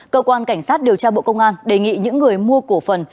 cơ quan cảnh sát điều tra bộ công an đề nghị những người mua cổ phần